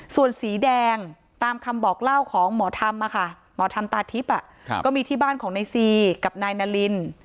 ส่วนสีแดงตามคำบอกเล่าของหมอธรรมหมอธรรมตาทิพย์ก็มีที่บ้านของนายซีกับนายนาริน